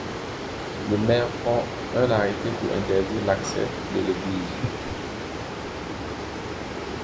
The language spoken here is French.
Le maire prend un arrêté pour interdire l'accès de l'église.